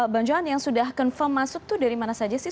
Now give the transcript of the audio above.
bang johan yang sudah confirm masuk itu dari mana saja sih